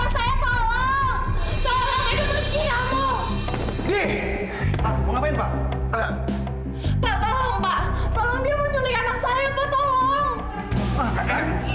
tolong dia mau juri anak saya tolong